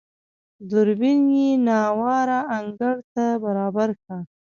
دوربين يې نااواره انګړ ته برابر کړ.